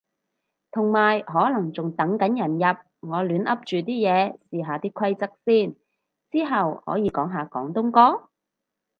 同埋可能仲等緊人入，我亂噏住啲嘢試下啲規則先。之後可以講下廣東歌？